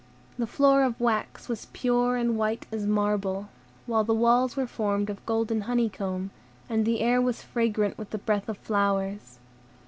The floor of wax was pure and white as marble, while the walls were formed of golden honey comb, and the air was fragrant with the breath of flowers.